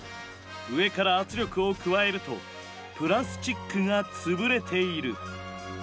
上から圧力を加えるとプラスチックが潰れている。